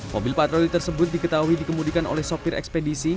mobil patroli tersebut diketahui dikemudikan oleh sopir ekspedisi